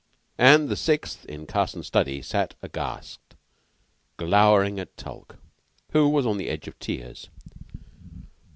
And the Sixth in Carson's study sat aghast, glowering at Tulke, who was on the edge of tears.